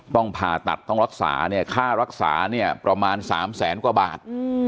ต้องผ่าตัดต้องรักษาค่ารักษาประมาณ๓แสนกว่าบาท